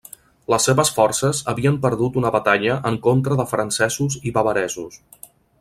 Les seves forces havien perdut una batalla en contra de francesos i bavaresos.